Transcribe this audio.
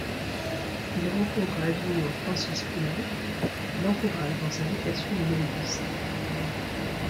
Il rencontre à Avignon Francis Poulenc qui l'encourage dans sa vocation de mélodiste.